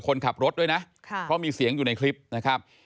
คนขับรถด้วยนะเพราะมีเสียงอยู่ในคลิปนะครับ